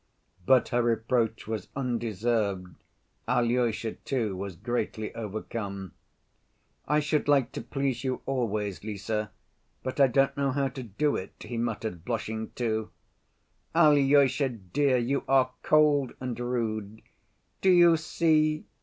" But her reproach was undeserved. Alyosha, too, was greatly overcome. "I should like to please you always, Lise, but I don't know how to do it," he muttered, blushing too. "Alyosha, dear, you are cold and rude. Do you see?